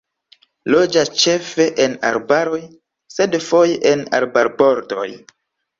Loĝas ĉefe en arbaroj sed foje en arbarbordoj.